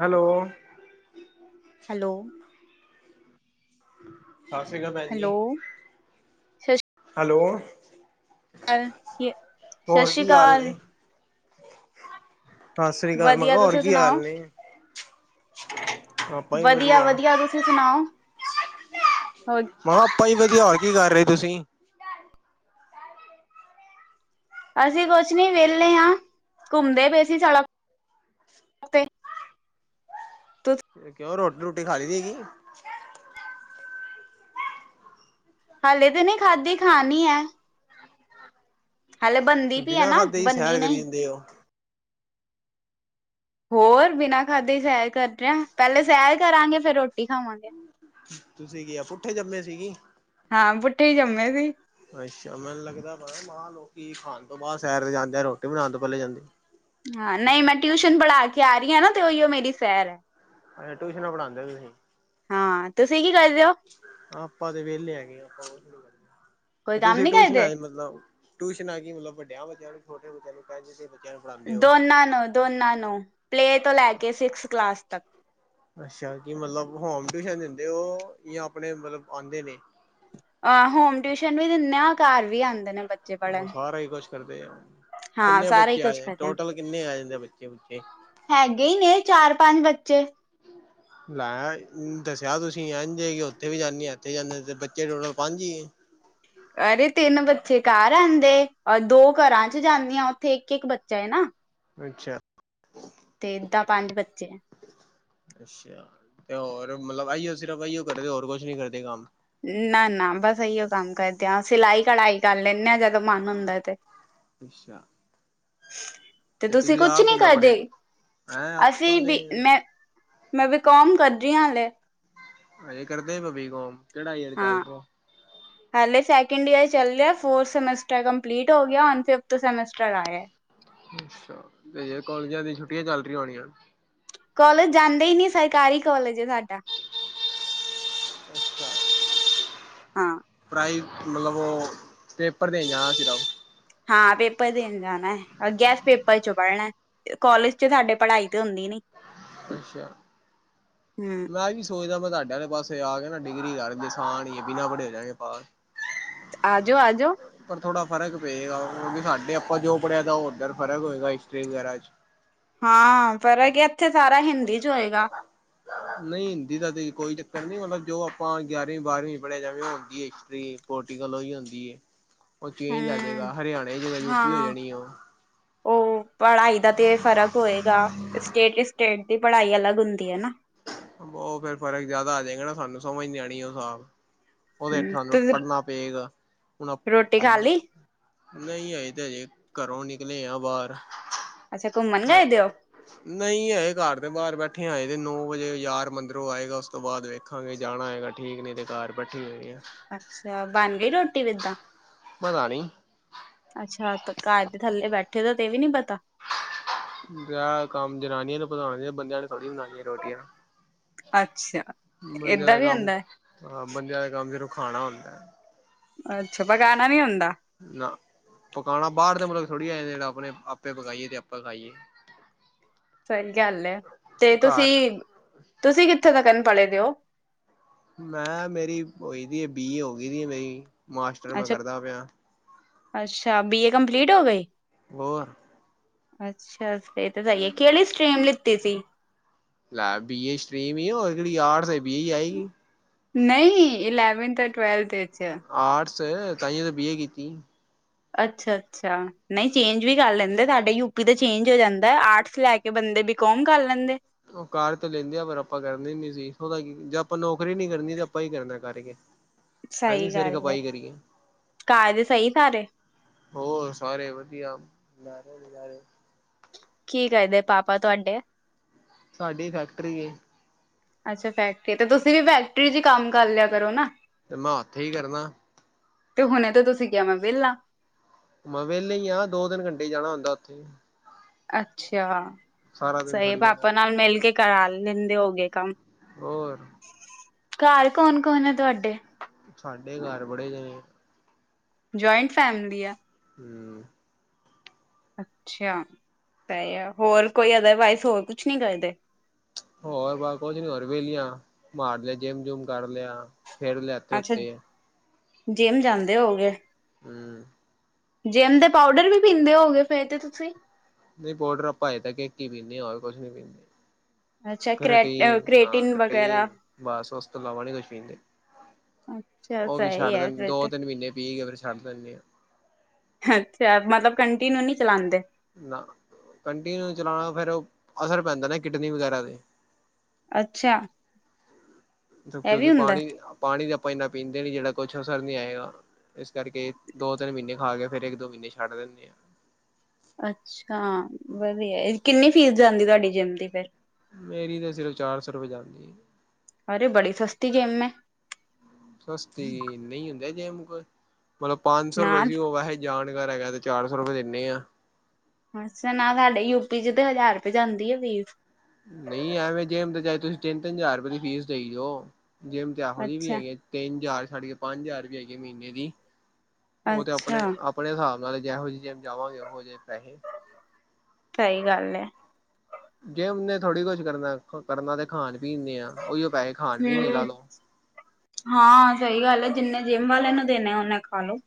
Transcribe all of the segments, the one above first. Hello hello ਸਸਰੀਕਾਲ ਪੈਣ ਜੀ ਹੈਲੋ ਹੈਲੋ। ਹਾਂ ਜੀ ਹੋਰ ਕੀ ਹਾਲ ਸ਼ਸਰੀਕਾਲ। ਨੇ? ਸਸਰੀਕਾਲ ਮੈਂਖਾ ਵਧੀਆ ਹੋਰ ਤੁਸੀਂ ਕੀ ਹਾਲ ਸੁਣਾਓ? ਨੇ। ਆਪਾਂ ਵੀ ਵਦੀਆ ਵਧੀਆ, ਵਦੀਆ ਤੁਸੀਂ ਸੁਨਾਓ। ਮਖਾ ਆਪਾਂ ਈ ਵਦੀਆ ਹੋਰ ਕੀ ਕਰ ਰਹੇ ਤੁਸੀਂ ਅਸੀਂ ਕੁਛ ਨੀ ਵਿਹਲੇ ਆੰ ਘੁੰਮਦੇ ਪਏ ਸੀ ਸੜਕ ਤੇ, [unintelligible] ਫਿਰ ਕਿਉਂ ਰੋਟੀ- ਰੂਟੀ ਖਾ ਲਈ ਸੀਗੀ। [unintelligible] ਹਾਲੇ ਤੇ ਨੀ ਖਾਧੀ ਖਾਨੀ ਆ। ਹਾਲੇ ਬੰ ਬਿਨਾਂ ਖਾਦੇੇ ਹੀ ਸੈਰ ਕਰੀ ਜਾੰਦੇ ਔ ਹੋਰ ਬਿਨਾਂ ਖਾਧੇ ਸੈਰ ਕਰ ਰਿਹਾ, ਪਹਿਲੇ ਸੈਰ ਕਰਾਂਗੇ ਫਿਰ ਰੋਟੀ ਖਾਵਾਂਗੇ ਤੁਸੀਂ ਕੀ ਆਂ, ਪੁੱਠੇ ਜੰਮੇ ਸੀਗੀ ਹਾਂ ਪੁੱਠੇ ਹੀ ਜੰਮੇ ਸੀ ਅੱਛਾ ਮੈਨੂੰ ਲੱਗਦਾ ਪਤਾ ਮਾਹ ਲੋਕੀ ਖਾਣ ਤੋਂ ਬਾਅਦ ਸੈਰ ਤੇ ਜਾਂਦੇ, ਰੋਟੀ ਬਣਾਉਣ ਤੋਂ ਪਹਿਲੇ ਜਾਂਦੇ ਹਾਂ, ਨਹੀਂ ਮੈਂ ਟਿਊਸ਼ਨ ਬੁਲਾ ਕੇ ਆ ਰਹੀ ਨਾ ਤੇ ਉਹੀਓ ਮੇਰੀ ਸੈਰ ਐ ਅੱਛਾ ਟਿਊਸ਼ਨਾਂ ਪੜ੍ਹਾਉਂਦੇ ਤੁਸੀਂ, ਹਾਂ, ਤੁਸੀਂ ਕੀ ਕਰਦੇ ਓ ਆਪਾਂ ਤੇ ਵਿਹਲੇ ਹੈਗੇ, ਆਪਾਂ ਨੂੰ ਹੋਰ ਕੇੜੀ ਕੋਈ ਗੱਲ, ਕੰਮ ਤੁਸੀਂ ਨੀ ਟਿਊਸ਼ਨ ਕਰਦੇ? ਆਏ ਮਤਲਬ ਟਿਊਸ਼ਨ ਆ ਗਈ ਮਤਲਬ ਵੱਡਿਆਂ ਬੱਚਿਆਂ ਨੂੰ, ਛੋਟੇ‌ ਬੱਚਿਆਂ ਨੂੰ ਕਢ ਕੇ ਦੋਨਾਂ ਨੂੰ, ਦੋਨਾਂ ਨੂੰ ਪਲੇ ਤੋਂ ਲੈ ਕੇ ਸਿਕਸ ਕਲਾਸ ਤੱਕ ਅੱਛਾ ਕੀ, ਮਤਲਬ ਹੋਮ ਟਿਊਸ਼ਨ ਦਿੰਦੇ ਉਹ, ਜਾਂ ਆਪਣੇ, ਮਤਲਬ ਆਂਉਦੇ ਨੀ ਅਹ, ਹੋਮ ਟਿਊਸ਼ਨ ਵੀ ਦਿੰਦੇ ਆਂ, ਘਰ ਵੀ ਆਂਦੇ ਨੇ ਬ ਸਾਰਾ ਹੀ ਕੁਛ ਕਰਦੇ ਆ, ਹਾਂ ਕਿੰਨੇ ਸਾਰਾ ਹੀ ਬੱਚੇ ਕੁੱਝ ਆਏ, ਕਰਦੇ ਟੋਟਲ ਕਿੰਨੇ ਆ ਜਾਂਦੇ ਬੱਚੇ- ਬੁਚੇ ਹੈਗੇਗੀ ਨੇ ਚਾਰ- ਪੰਜ ਬੱਚੇ ਹਮ ਲੈ, ਦੱਸਿਆ ਤੁਸੀਂ ਐਂਝ, ਕਿ ਉੱਥੇ ਵੀ ਜਾਂਦੀ ਐਥੇ ਜਾਂਦੇ, ਬੱਚੇ ਟੋਟਲ ਪੰਜ ਹੀ ਐ ਅਰੇ ਤਿੰਨ ਬੱਚੇ ਘਰ ਆਂਦੇ, ਔਰ ਦੋ ਘਰਾਂ 'ਚ ਜਾਂਦੀਆਂ, ਉੱਥੇ ਇੱਕ- ਇੱਕ ਬੱਚਾ ਨਾ ਅੱਛਾ ਹਮ ਤੇ ਐਦਾਂ ਪੰਜ ਬੱਚੇ ਹੈ ਅੱਛਾ, ਤੇ ਹੋਰ ਮਤਲਬ ਇਹੀਓ ਸਿਰਫ ਇਹੀਓ ਕਰਦੇ, ਹੋਰ ਕੁਛ ਨੀ ਕਰਦੇ ਕੰਮ ਨਾ -ਨਾ ਬਸ ਇਹੀਓ ਕੰਮ ਕਰਦੇ ਆ, ਸਿਲਾਈ ਕਢਾਈ ਕਰ ਲੈਂਦੇ ਆ ਅਗਰ ਜਦੋਂ ਮਨ ਹੁੰਦਾ ਤੇ ਅੱਛਾ ਤੇ ਤੁਸੀਂ ਕੁਛ ਆਪ ਨਹੀ ਕਿੰਨਾ ਪੜ੍ਹੇ ਕਰਦੇ, ਹੈਂ ਆਪਾਂ ਅਸੀਂ ਤੇ ਵੀ ਮੈਂ ਮੈਂ ਵੀਕਾਮ ਕਰਦੀ ਹਾਂ, ਹਲੇ ਹਜੇ ਕਰਦੇ ਭੀਕੋਮ, ਕਿਹੜਾ ਈਅਰ ਹਾਂ ਗੱਲ ਤੋਂ ਹਾਲੇ ਸੈਕਿੰਡ ਈਅਰ ਚੱਲ ਰਿਹਾ, ਫੋਰਥ ਸੈਮਸਟਰ ਕੰਪਲੀਟ ਹੋ ਗਿਆ, ਹੁਣ ਫਿਫਥ ਸੈਮਸਟਰ ਆਇਆ ਅੱਛਾ, ਤੇ ਕੋਲਜਾਂ ਦੀਆਂ ਛੁੱਟੀਆਂ ਚੱਲ ਰਹੀਆਂ ਹੋਣੀਆਂ ਕੋਲਜ ਜਾਂਦੇ ਹੀ ਨਹੀ, ਸਰਕਾਰੀ ਕੋਲਜ ਏ ਸਾਡਾ ਆਂ ਪ੍ਰਾਈ, ਮਤਲਬ ਉਹ, ਪੇਪਰ ਦੇਣ ਜਾਣਾ ਸਿਰਫ ਹਾਂ ਪੇਪਰ ਦੇਣ ਜਾਣਾ, ਔਰ ਗੈਸ ਪੇਪਰ 'ਚੋਂ ਪੜਣਾ ਇਹ ਕੋਲਜ 'ਚ ਸਾਡੇ ਪੜ੍ਹਾਈ ਤੇ ਹੁੰਦੀ ਨੀ ਅੱਛਾ, ਹੂੰ ਮੈਂ ਵੀ ਸ ਸੋਚਦਾ ਮੈਂ ਤੁਹਾਡੇ ਵਾਲੇ ਪਾਸੇ ਆ ਕੇ ਨਾ ਡਿਗਰੀ ਕਰ ਲੈਣੀ, ਨੁਕਸਾਨ ਹੀ ਬਿਨਾਂ ਪੜ੍ਹੇ ਹੋਜਾਂਗੇ ਪਾਸ ਆਜੋ -ਆਜੋ ਪਰ ਥੋੜਾ ਫਰਕ ਪਏਗਾ, ਕਿਉਂਕਿ ਸਾਡੇ ਆਪਾਂ ਜੋ ਪੜ੍ਹਿਆ ਤਾਂ ਉਹ ਉੱਧਰ ਫਰਕ ਹੋਏਗਾ ਹਿਸਟਰੀ ਵਗੈਰਾ 'ਚ ਹਾਂ, ਫਰਕ ਹੈ ਇੱਥੇ ਸਾਰਾ ਹਿੰਦੀ 'ਚ ਹੋਏਗਾ [inaudible] ਨਹੀਂ ਹਿੰਦੀ ਦਾ ਤੇ ਕੋਈ ਚੱਕਰ ਨੀ, ਮਤਲਬ ਜੋ ਆਪਾਂ ਗਿਆਰਵੀਂ ਬਾਰਵੀਂ ਪੜ੍ਹਿਆ ਜਾਵੇ, ਉਹ ਹੁੰਦੀ ਹੈ ਹਿਸਟਰੀ ਪੋਟੀਕਲ ਉਹੀ ਹੁੰਦੀ, ਉਹ ਚੇਂਜ ਹੂੰ ਆਜੇਗਾ ਹਰਿਆਣੇ ਜਦੋਂ ਯੂਪੀ ਹੋ ਹਾਂ ਜਾਣੀ ਉਹ, ਪੜ੍ਹਾਈ ਦਾ ਤੇ ਫ਼ਰਕ ਹੋਏਗਾ, ਸਟੇਟ ਏ ਸਟੇਟ ਦੀ ਪੜ੍ਹਾਈ ਅਲੱਗ ਹੁੰਦੀ ਐ ਨਾ ਉਹ ਫੇਰ ਫਰਕ ਜਿਆਦਾ ਆ ਜਾਏਗਾ ਨਾ ਸਾਨੂੰ, ਸਮਝ ਨਹੀਂ ਆਉਣੀ ਉਹ ਹਿਸਾਬ ਉਹਦੇ ਹੇਠ ਹੂੰ ਸਾਨੂੰ ਤੁਸੀਂ ਪੜ੍ਹਣਾ ਪਏਗਾ, ਹੁਣ ਰੋਟੀ ਖਾ ਐਧਰ ਲਈ ਨਹੀਂ ਅਜੇ ਤੇ ਹਜੇ, ਘਰੋਂ ਨਿਕਲੇ ਆ ਬਾਹਰ ਅੱਛਾ, ਘੁੰਮਣ ਗਏ ਦੇ ਓ? ਨਹੀਂ ਹਏ ਘਰ ਦੇ ਬਾਹਰ ਬੈਠੇ ਹਾਂ, ਹਜੇ ਤੇ ਨੋ ਵਜੇ ਯਾਰ ਮੰਦਰੋਂ ਆਏਗਾ, ਉਸ ਤੋਂ ਬਾਅਦ ਵੇਖਾਂਗੇ, ਜਾਣਾ ਹੈਏਗਾ ਠੀਕ, ਨਹੀ ਤੇ ਘਰ ਬੈਠੀ ਹੋਏ ਆ। ਅੱਛਾ, ਬਣ ਗਈ ਰੋਟੀ ਇੱਦਾਂ। ਪਤਾ ਨੀ। ਅੱਛਾ, ਘਰ ਦੇ ਥੱਲੇ ਬੈਠੇ ਦਾ ਤੇ ਵੀ ਨੀ ਪਤਾ। ਵਿਆਹ ਕੰਮ ਜਨਾਨੀਆਂ ਨੂੰ ਪਤਾ ਹੋਣੇ ਚਾਹੀਦਾ, ਬੰਦਿਆਂ ਨੂੰ ਥੋੜੀ ਬਣਾਣੀਆਂ ਰੋਟੀਆਂ, ਅੱਛਾ ਬੰਦਿਆਂ ਏਦਾਂ ਦਾ ਵੀ ਕੰਮ ਹੁੰਦਾ ਬੰਦਿਆਂ ਦਾ ਕੰਮ ਸਿਰਫ ਖਾਣਾ ਹੁੰਦਾ। ਅੱਛਾ ਪਕਾਣਾ ਨੀ ਹੁੰਦਾ? ਨਾ, ਪਕਾਣਾ ਬਾਹਰ ਦੇ ਮੁਲਕ ਥੋੜੀ ਆਏ ਦੇ ਆਂ ਆਪੇ ਪਕਾਈਏ ਤੇ ਆਪੇ ਖਾਈਏ। [unintelligible] ਸਹੀ ਗੱਲ ਹੈ, ਤੇ ਘਰ ਤੁਸੀਂ- ਤੁਸੀਂ ਕਿੱਥੇ ਤਕਣ ਪੜੇ ਦੇ ਓ? ਮੈਂ ਮੇਰੀ ਹੋਈ ਦੀ ਬੀ ਏ ਹੋ ਗਈ ਦੀਏ ਮੇਰੀ, ਮਾਸਟਰ ਮੈਂ ਅੱਛਾ ਕਰਦਾ ਪਿਆ। ਅੱਛਾ, ਬੀ ਏ ਕੰਪਲੀਟ ਹੋ ਗੀ। ਹੋਰ। ਅੱਛਾ ਫਿਰ ਤੇ ਸਹੀਏ, ਕਿਹੜੀ ਸਟ੍ਰੀਮ ਲਿੱਤੀ ਸੀ? ਲੈ ਬੀ ਏ ਸਟ੍ਰੀਮ ਈ ਏ ਹੋਰ ਕਿਹੜੀ ਆਰਟਸ ਏ, ਬੀ ਏ ਈ ਆਏਗੀ। ਨਹੀਂ ਅਲੈਵਨ ਤੇ ਟਵੈਲਥ ਇਚ। ਆਰਟਸ, ਤਾਈਏ ਤਾਂ ਬੀ ਏ ਕੀਤੀ। ਅੱਛਾ। ਅੱਛਾ ਨਹੀਂ ਚੇਂਜ ਵੀ ਕਰ ਲੈਂਦੇ, ਸਾਡੇ ਯੂਪੀ ਦਾ ਚੇਂਜ ਹੋ ਜਾਂਦਾ, ਆਰਟਸ ਲੈ ਕੇ ਬੰਦੇ ਬੀਕੋਮ ਕਰ ਲੈਂਦੇ। ਉਹ ਕਾਰ ਤੇ ਲੈਂਦੇ ਆ ਪਰ ਆਪਾਂ ਕਰਨੇ ਨੀ ਸੀ, ਜੇ ਆਪਾਂ ਨੌਕਰੀ ਨੀ ਕਰਨੀ ਤੇ ਆਪਾਂ ਹੀ ਕਰਨਾ ਕਰਕੇ। ਹ [unintelligible] ਸਹੀ ਗੱਲ ਏ, ਘਰ ਸਹੀ ਸਾਰੇ? ਹੋਰ, ਸਾਰੇ ਵਧੀਆ ਲੈ ਰਹੇ ਨਜਾਰੇ। ਕੀ ਕਰਦੇ ਪਾਪਾ ਤੁਹਾਡੇ? ਸਾਡੀ ਫੈਕਟਰੀ ਏ। ਅੱਛਾ ਫੈਕਟਰੀ ਏ, ਤੇ ਤੁਸੀਂ ਵੀ ਫੈਕਟਰੀ ਚ ਹੀ ਕੰਮ ਕਰ ਲਿਆ ਕਰੋ ਨਾ। ਤੇ ਮੈਂ ਉੱਥੇ ਹੀ ਕਰਨਾ। ਤੇ ਹੁਣੇ ਤਾਂ ਤੁਸੀਂ ਕਿਹਾ ਮੈਂ ਵਿਹਲਾ। ਮੈਂ ਵਿਹਲੇ ਹੀ ਆ, ਦੋ ਤਿੰਨ ਘੰਟੇ ਹੀ ਜਾਣਾ ਹੁੰਦਾ ਉੱਥੇ। ਅੱਛਾ, ਸਾਰਾ ਦਿਨ ਸਹੀ ਥੋੜ੍ਹੀ ਕਰਨਾ ਪਾਪਾ ਨਾਲ ਮਿਲ ਕੇ ਕਰਾ ਲੈਂਦੇ ਹੋ ਗਏ ਕੰਮ। ਹੋਰ। ਘਰ ਕੌਣ- ਕੌਣ ਆ ਤੁਹਾਡੇ? ਸਾਡੇ ਘਰ ਬੜੇ ਜਾਣੇ। ਜੁਆਇੰਟ ਫੈਮਿਲੀ ਆ? ਹੂੰ। ਅੱਛਾ, ਤਾਂ ਹੋਰ ਕੋਈ ਅਦਰਵਾਈਜ਼ ਹੋਰ ਕੁਛ ਨੀ ਕਰਦੇ? ਹੋਰ ਬਸ ਕੁਛ ਨੀ, ਹੋਰ ਵੇਲੀਆਂ ਮਾਰ ਲਿਆ, ਜਿੰਮ- ਜੂਮ ਕਰ ਲਿਆ,। ਫਿਰ ਲਿਆ। ਇੱਥੇ ਅੱਛਾ ਉੱਤੇ ਜਿੰਮ ਜਾਂਦੇ ਹੋ ਗਏ? ਹੂੰ। ਜਿਮ ਦੇ ਪਾਊਡਰ ਵੀ ਪੀਂਦੇ ਹੋ ਗਏ ਫਿਰ ਤੇ ਤੁਸੀਂ? ਨਹੀਂ ਪੋਡਰ ਆਪਾਂ ਅਜੇ ਤੱਕ ਇਕ ਹੀ ਪੀਂਦੇਆ, ਹੋਰ ਕੁਛ ਨੀ ਪੀਂਦੇ। ਅੱਛਾ ਕਰੈ ਘਰਟੀਨ ਆ ਕਰੇਟਿਨ ਵਗੈਰਾ ਘਰਟੀਨ ਬਸ ਓਸ ਤੋਂ ਇਲਾਵਾਂ ਨੀ ਕੁਛ ਪੀਂਦੇ। ਅੱਛਾ ਓ ਵੀ ਸਹੀ ਛੱਡ ਹੈ ਦੇਣ ਫਿਰ ਤੇ ਦੋ-ਤਿੰਨ ਮੀਨੇ ਪੀ ਕੇ ਫਿਰ ਛੱਡ ਦੇਣਗੇ। ਅੱਛਾ ਮਤਲਬ ਕੰਟੀਨਿਊ ਨੀ ਚਲਾਂਦੇ। ਨਾ ਕੰਟੀਨਿਊ ਚਲਾਣ ਫਿਰ ਅਸਰ ਪੈਂਦਾ ਨਾ ਕਿਡਨੀ ਵਗੈਰਾ ਤੇ ਅੱਛਾ। ਇਹ ਕਿਉਂਕਿ ਵੀ ਹੁੰਦਾ ਪਾਨੀ, ਪਾਨੀ ਤਾਂ ਆਪਾਂ ਇੰਨਾ ਪੀਂਦੇ ਨੀ ਜੇੜਾ ਕੋਛ ਅਸਰ ਨੀ ਆਏਗਾ। ਇਸ ਕਰਕੇ ਦੋ-ਤਿੰਨ ਮੀਨੇ ਖਾ ਕੇ ਫਿਰ ਇੱਕ-ਦੋ ਮੀਨੇ ਛੱਡ ਦਿਣੇ ਆ। ਅੱਛਾ ਵਧੀਆ, ਕਿੰਨੀ ਫੀਸ ਜਾਂਦੀ ਤੁਆਡੀ ਜਿੰਮ ਦੀ ਫੇਰ ਮੇਰੀ ਤਾਂ ਸਿਰਫ਼ ਚਾਰ ਸੌ ਰਪੇ ਜਾਂਦੀ ਏ। ਅਰੇ, ਬੜੀ ਸਸਤੀ ਜੇਮ ਐ। ਸਸਤੀ ਅ ਏਨੇ ਏ ਹੁੰਦੇ ਜੇਮ ਕੋ ਮਤਲਬ ਪੰਜ ਸੌ ਨਾ ਰੁਪਏ ਸੀ ਓ ਵੈਸੇ ਜਾਣਕਾਰ ਹੈਗਾ ਤੇ ਚਾਰ ਸੌ ਰਪੇ ਦਿੰਨੇ ਆ। ਅੱਛਾ, ਨਾ ਸਾਡੇ ਯੂਪੀ ਚ ਤੇ ਹਜ਼ਾਰ ਰਪੇ ਜਾਂਦੀ ਏ ਫੀਸ। ਨਈ, ਐਵੇਂ ਜਿੰਮ ਤੇ ਚਾਏ ਤੁਸੀਂ ਤਿੰਨ-ਤਿੰਨ ਹਜ਼ਾਰ ਰਪੇ ਦੀ ਫੀਸ ਦੇਈ ਜਾਓ। ਜਿਮ ਤੇ ਐਹੋ ਜੀ ਵੀ ਅੱਛਾ ਹੈਗੀ‌ ਏ‌। ਤਿੰਨ ਜ਼ਾਰ ਛੱਡ ਕੇ ਪੰਜ ਜ਼ਾਰ ਵੀ ਹੈਗੀ ਏ ਮੀਨੇ ਦੀ ਓ ਤੇ ਅੱਛਾ ਅਪਣੇ ਆਪ ਅਪਣੇ ਸਾਬ ਨਾਲ ਜੈਹੋ ਜੀ ਜਿਮ ਜਾਵਾਂਗੇ, ਓਹੋ ਜੇ ਪੈਹੇ। ਸਈ ਗੱਲ ਏ। ਜਿਮ ਨੇ ਥੋੜ੍ਹੀ ਕੁਛ ਕਰਨਾ, ਕਰਨਾ ਤੇ ਖਾਣ-ਪੀਣ ਨੇ ਐ। ਹੂੰ। ਹਾਂ ਸਈ ਗੱਲ ਏ, ਜਿੰਨੇ ਜਿਮ ਵਾਲੇ ਨੂੰ ਦੇਣੇ ਓਨੇ ਖਾਲੋ।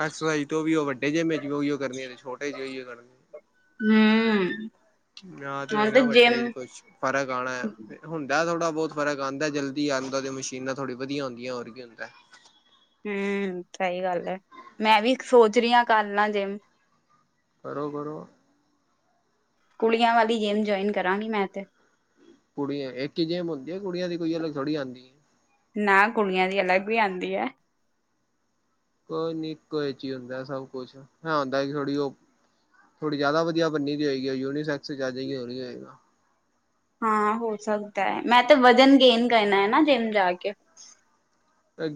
ਐਕਸਸਾਈਜ਼ ਤੋਂ ਵੀ ਓ ਵੱਡੇ ਜਿੰਮ ਚ ਵੀ ਓਇਓ ਕਰਨੀ ਤੇ ਛੋਟੇ ਚ ਵੀ ਓਇਓ ਕਰਨੀ। ਹੂੰ। ਯਾਂ ਤੇ ਹੋਏਗਾ ਵੱਡੇ ਚ ਕੁਛ ਫ਼ਰਕ ਆਣਾ ਹੁੰਦਾ ਥੋੜਾ-ਬੋਤ ਫ਼ਰਕ ਆਂਦਾ, ਜਲਦੀ ਆਂਦਾ ਓ ਮਸ਼ੀਨਾਂ ਥੋੜੀ ਵਧੀਆ ਹੁੰਦੀਆਂ, ਹੋਰ ਕੀ ਹੁੰਦਾ। ਹੂੰ ਸਈ ਗੱਲ ਏ ਮੈਂ ਵੀ ਸੋਚ ਰਈ ਆਂ ਕਰਲਾ ਜਿੰਮ ਕਰੋ-ਕਰੋ। ਕੁੜੀਆਂ ਵਾਲੀ ਜਿੰਮ ਜੋਏਨ ਕਰਾਂਗੀ ਮੈਂ ਤੇ। ਕੁੜੀਆਂ, ਏਕ ਈ ਜੇਮ ਹੁੰਦੀ ਏ ਕੁੜੀਆਂ ਦੀ ਕੋਈ ਅਲੱਗ ਥੋੜੀ ਆਂਦੀ ਏ। ਨਾ ਕੁੜੀਆਂ ਦੀ ਅਲੱਗ ਵੀ ਆਂਦੀ ਐ। ਕੋਈ ਨੀ ਇਕੋ ਇਚ ਈ ਹੁੰਦਾ ਸਭ-ਕੁਛ ਐ ਹੁੰਦਾ ਥੋੜੀ ਓ ਥੋੜ੍ਹੀ ਜਿਆਦਾ ਵਧੀਆ ਬੰਨੀ ਦੀ ਹੋਏਗੀ, ਓ ਯੂਨੀਸੈਕਸ ਚ ਆਜੇਗੀ ਹੋਰ ਕੀ ਹੋਏਗਾ। ਹਾਂ ਹੋ ਸਕਦਾ, ਮੈਂ ਤੇ ਵਜ਼ਨ ਗੇਨ ਕਰਨਾ ਏ ਨਾ ਜਿੰਮ ਜਾ ਕੇ।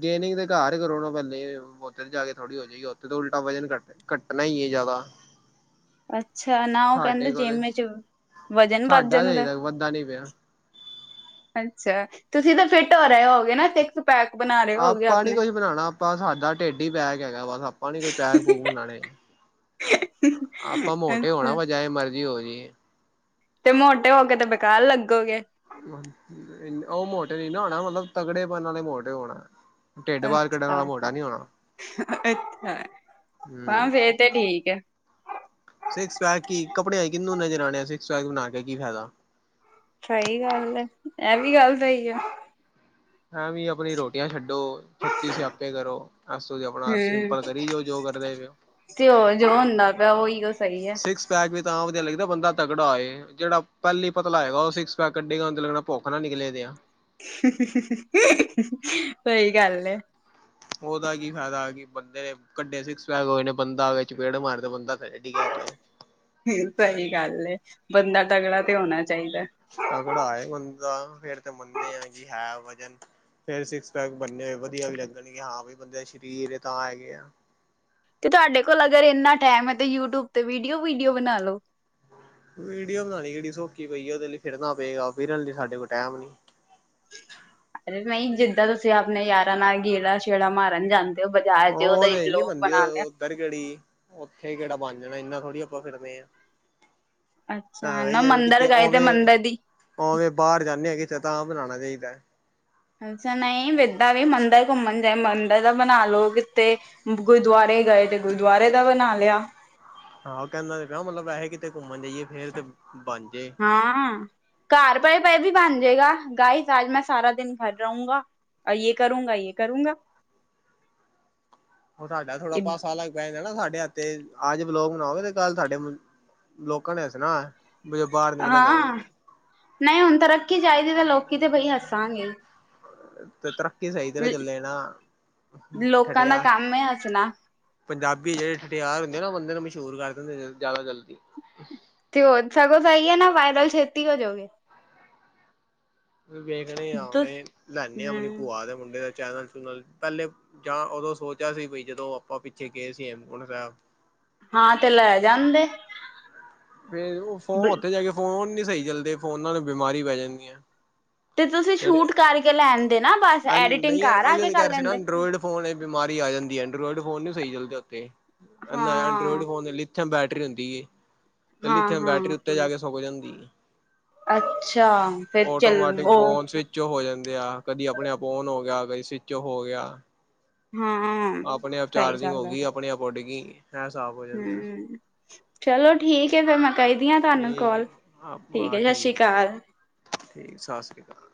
ਗੇਨਿੰਗ ਤੇ ਕਾਰ ਕਰੋ ਨਾ ਪੈਲੇ, ਓਥੇ ਚ ਜਾ ਕੇ ਥੋੜੀ ਹੋ ਜੇਗੀ ਓਥੇ ਤੇ ਉਲਟਾ ਵਜਨ ਕੱਟ ਕੱਟਣਾ ਈ ਏ ਜ਼ਿਆਦਾ। ਅੱਛਾ ਨਾ ਉਹ ਸਾਡੇ ਕਹਿੰਦੇ ਜਿਮ ਕੋਲੇ, ਵਿੱਚ ਵਜ਼ਨ ਵੱਧ ਸਾਡਾ ਤਾ ਹਜੇ ਜਾਂਦਾ ਤੱਕ ਵੱਧਦਾ ਨੀ ਪਯਾ। ਅੱਛਾ, ਤੁਸੀਂ ਤਾਂ ਫਿੱਟ ਹੋ ਰੇ ਹੋਗੇ ਨਾ ਸਿਕਸ ਪੈਕ ਬਨਾ ਆਪਾਂ ਨੀ ਕੁਛ ਬਣਾਣਾ ਆਪਾਂ ਸਾਡਾ ਟੇਡ ਈ ਪੈਕ ਹੈਗਾ। ਬਸ ਆਪਾਂ ਨੀ ਕੋਈ ਪੈਕ-ਪੂਕ ਬਣਾਣੇ। ਅ ਆਪਾਂ ਮੋਟੇ ਹੋਣਾ ਅੱਛਾ ਬਸ ਜੈਵੇ ਮਰਜ਼ੀ ਹੋ ਜਈਏ। ਤੇ ਮੋਟੇ ਹੋ ਕੇ ਤੇ ਬੇਕਾਰ ਲੱਗੋਗੇ। ਓ ਮੋਟੇ ਨੀ ਨਾ ਹੋਣਾ, ਮਤਲਬ ਤਗੜੇਪਨ ਆਲੇ ਮੋਟੇ ਹੋਣਾ। ਟੇੱਡ ਬਾਹਰ ਕੱਢਣ ਅੱਛਾ ਵਾਲਾ ਮੋਟਾ ਅੱਛਾ ਨੀ ਹੋਣਾ। ਅੱਛਾ ਹਾਂ ਹੂੰ ਫੇਰ ਤੇ ਠੀਕ ਐ। ਸਿਕਸ ਪੈਕ ਕੀ ਕੱਪੜਿਆਂ ਚ ਕੀਨੂੰ ਨਜ਼ਰ ਆਣੇ, ਸਿਕਸ ਪੈਕ ਬਨਾ ਕੇ ਕੀ ਫੈਦਾ। ਸ਼ਈ ਗੱਲ ਏ ਐ ਵੀ ਗੱਲ ਸਈ ਐ। ਐਵੇ ਈ ਅਪਣੀ ਰੋਟੀਆਂ ਛੱਡੋ, ਛੱਤੀ ਸਿਆਪੇ ਕਰੋ। ਬਸ ਉਹੀ ਆਪਣਾ, ਆਪਣਾ ਹਮ ਸਿੰਪਲ ਕਰੀ ਜਾਓ, ਜੋ ਕਰਦੇ ਪਏ ਔ। ਤੇ ਉਹ ਜੋ ਹੁੰਦਾ ਪਿਆ, ਉਹੀ ਓ ਗੱਲ ਸਹੀ ਹੈ। ਸਿਕਸ ਪੈਕ ਵੀ ਤਾਂ ਵਧੀਆ ਲੱਗਦਾ ਬੰਦਾ ਤਗੜਾ ਹੋਏ, ਜਿਹੜਾ ਪਹਿਲੀ ਪਤਲਾ ਹੋਏਗਾ, ਉਹ ਸਿਕਸ ਪੈਕ ਕੱਢੇਗਾ ਮਤਲਬ ਭੁੱਖ ਨਾਲ ਨਿਕਲੇ ਦੇ ਆ ਸਹੀ ਗੱਲ ਐ। ਉਹਦਾ ਕੀ ਫਾਇਦਾ ਕਿ ਬੰਦੇ ਨੇ ਕੱਢੇ ਸਿਕਸ ਪੈਕ ਹੋਏ ਨੇ ਬੰਦਾ ਉਹਦੇ ਚਪੇੜ ਮਾਰ ਦੇ ਬੰਦਾ ਖ ਡਿਗਿਆ ਦਾ ਹੋਏ ਸਹੀ ਗੱਲ ਏ। ਬੰਦਾ ਤਗੜਾ ਤੇ ਹੋਣਾ ਚਾਹੀਦਾ। ਤਗੜਾ ਏ ਬੰਦਾ, ਫੇਰ ਤੇ ਮੰਨਿਆ ਸੀ ਹੈ ਵਜਨ ਫੇਰ ਸਿਕਸ ਪੈਕ ਬਣਨੇ ਹੋਏ ਵਧੀਆ ਵੀ ਲੱਗਣਗੇ ਹਾਂ ਬਈ ਬੰਦੇ ਸ਼ਰੀਰ ਏ ਤਾਂ ਹੈਗੇ ਆ ਤੇ ਤੁਹਾਡੇ ਕੋਲ ਅਗਰ ਇੰਨਾ ਟਾਈਮ ਆ ਤੇ ਯੂਟੀਊਬ ਤੇ ਵੀਡੀਓ-ਵੁਡੀਓ ਬਣਾ ਲੋ ਵੀਡੀਓ ਬਣਾਨੀ ਕਿਹੜੀ ਸੋਖੀ ਪਈ ਆ ਉਹਦੇ ਲਈ ਫਿਰਨਾ ਪਏਗਾ। ਫਿਰਨ ਲਈ ਸਾਡੇ ਕੋਲ ਟਾਈਮ ਨੀ ਅਰੇ ਨਹੀਂ ਜਿੱਦਾਂ ਤੁਸੀਂ ਆਪਣੇ ਯਾਰਾਂ ਨਾਲ ਗੇੜਾ ਸ਼ੇੜਾ ਮਾਰਨ ਜਾਂਦੇ ਤੇ ਉਹ ਬਾਜਾਰ ਚ ਉਹਦਾ ਇੱਕ ਲੋ ਬਣਾ ਲਿਆ। ਇੱਧਰ ਕਿਹੜੀ ਉੱਥੇ ਕਿਹੜਾ ਬਣ ਜਾਣਾ ਇਨਾ ਥੋੜ੍ਹੀ ਆਪਾਂ ਫਿਰਦੇ ਆ ਅੱਛਾ ਸਾਰੇ ਨਾ ਜਨੇ ਮੰਦਿਰ ਕਿਤੇ ਗਏ ਤੇ ਮੰਦਿਰ ਦੀ ਉਵੇਂ-ਉਵੇਂ ਬਾਹਰ ਜਾਂਨੇ ਆ ਕਿਤੇ ਤਾਂ ਬਣਾਣਾ ਚਾਹੀਦਾ। ਅੱਛਾ ਨਹੀਂ ਇਦਾਂ ਵੀ ਮੰਦਰ ਘੁੰਮਣ ਜਾਏ ਮੰਦਰ ਦਾ ਬਣਾ ਲਓ ਕਿਤੇ ਗੁਰਦੁਆਰੇ ਗਏ ਤੇ ਗੁਰਦੁਆਰੇ ਦਾ ਬਣਾ ਲਿਆ। ਹਾਂ ਉਹ ਕਹਿੰਦਾ ਸੀਗਾ ਮਤਲਬ ਵੈਸੇ ਕਿਤੇ ਘੁੰਮਣ ਜਾਈਏ ਫੇਰ ਤੇ ਬਣ ਜੇ ਹਾਂ-ਹਾਂ ਘਰ ਪਏ-ਪਏ ਵੀ ਬਣ ਜੇਗਾ। ਗਾਈਜ ਅੱਜ ਮੈਂ ਸਾਰਾ ਦਿਨ ਗਰ ਰਹੂੰਗਾ। ਯੇ ਕਰੂੰਗਾ, ਯੇ ਕਰੂੰਗਾ ਹੁਣ ਸਾਡਾ ਥੋੜਾ ਪਾਸਾ ਅਲੱਗ ਵੈ ਨਾ ਸਾਡੇ ਹੱਥ ਤੇ ਅੱਜ ਬਲੋਗ ਬਣਾਉਂਦੇ ਤੇ ਕੱਲ ਸਾਡੇ ਲੋਕਾਂ ਨੇ ਹੱਸਣਾ ਬ ਬਾਹਰ ਨਿਕਲੇ ਕਰੋ ਹਾਂ, ਨਹੀਂ ਹੁਣ ਤਰੱਕੀ ਚਾਈਦੀ ਤੇ ਲੋਕੀਂ ਤੇ ਬਈ ਹੱਸਾਂਗੇ ਤੇ ਤਰੱਕੀ ਸਹੀ ਤਰਾ ਚੱਲੇ ਨਾ ਲੋਕਾਂ ਦਾ ਠਟਿਆ ਕੰਮ ਹੈ ਹੱਸਣਾ। ਪੰਜਾਬੀ ਜਿਹੜੇ ਠਠਿਆਰ ਹੁੰਦੇ ਆ ਨਾ ਉਹ ਬੰਦੇ ਨੂੰ ਮਸ਼ਹੂਰ ਕਰ ਦਿੰਦੇ ਆ ਜ਼ਿਆਦਾ ਜਲਦੀ ਤੇ ਉਹ ਸਗੋਂ ਸਹੀ ਹੈ ਨਾ ਵਾਇਰਲ ਛੇਤੀ ਹੋ ਜਾਓਗੀ। ਵੇਖਣੇ ਆ ਤੁ ਆਪਨਣੇ ਲੈੇਨੇ ਆ ਆਪਣੀ ਹਮ ਭੂਆ ਦੇ ਮੁੰਡੇ ਦਾ ਚੈਨਲ-ਚੂਨਲ ਪਹਿਲੇ ਜਾਂ ਉਦੋਂ ਸੋਚਿਆ ਸੀ। ਬਈ ਜਦੋਂ ਆਪਾਂ ਪਿੱਛੇ ਗਏ ਸੀ। ਹੇਮਕੁੰਡ ਸਾਬ ਹਾਂ ਤੇ ਲੈ ਜਾਂਦੇ ਫਿਰ ਉਹ ਫੋਨ, ਉੱਥੇ ਜਾ ਕੇ ਫੋਨ ਨੀ ਸਹੀ ਚੱਲਦੇ ਫੋਨਾ ਨੂੰ ਬਿਮਾਰੀ ਪੈ ਜਾਂਦੀ ਆਂ ਤੇ ਤੁਸੀਂ ਕਿਹੜੇ ਸ਼ੂਟ ਕਰਕੇ ਲੈਣਦੇ ਨਾ ਬਸ ਉਹ ਐਡੀਟਿੰਗ ਨਹੀਂ ਘਰ ਉਹੀ ਆ ਕੇ ਜਿਹੜੇ ਕਰ ਕਹਿ ਰਹੇ ਸੀ ਨਾ ਲੈਂਦੇ। ਐਂਡਰਾਇਡ ਫੋਨ ਇਚ ਬਿਮਾਰੀ ਆ ਜਾਂਦੀ ਹੈ। ਐਂਡਰੋਇਡ ਫੋਨ ਨੀ ਸਹੀ ਚੱਲਦੇ ਉੱਥੇ ਐਂਡਰੋਇਡ ਹਾਂ ਫੋਨ ਲੀ ਲਿਥੀਅਮ ਬੈਟਰੀ ਹੁੰਦੀ ਏ ਤੇ ਹਾਂ ਲਿਥੀਅਮ ਬੈਟਰੀ ਹਾਂ ਉੱਤੇ ਜਾ ਕੇ ਸੁਕ ਜਾਂਦੀ ਏ। ਅੱਛਾ ਫਿਰ ਚੱਲ ਉਹ ਸਵਿੱਚ ਓਫ ਹੋ ਜਾਂਦੇ ਆ। ਕਦੀ ਆਪਣੇ-ਆਪ ਓਨ ਹੋ ਗਿਆ ਕਦੀ ਸਵਿੱਚ ਓਫ ਹੋ ਗਿਆ। ਹਾਂ ਆਪਣੇ-ਆਪ ਸਹੀ ਚਾਰਜਿੰਗ ਗੱਲ ਹੋ ਹੈ ਗਈ। ਆਪਣੇ-ਆਪ ਉੱਡ ਗਈ ਐ ਹਿਸਾਬ ਜਾਂਦਾ ਹਮ ਚਲੋ ਠੀਕ ਐ ਫਿਰ ਮੈਂ ਕਰਦੀ ਆ ਤਾਨੂੰ ਠੀਕ ਹੈ ਕੌਲ ਠੀਕ ਹਾਂ ਹੈ। ਠੀਕ ਸਸੀਕਾਲ ਠੀਕ, ਸਾਸਰੀਕਾਲ